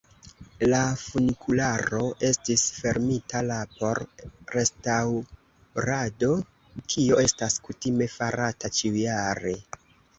La funikularo estis fermita la por restaŭrado, kio estas kutime farata ĉiujare.